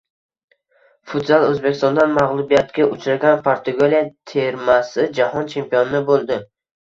Futzal. O‘zbekistondan mag‘lubiyatga uchragan Portugaliya termasi Jahon chempioni bo‘ldi!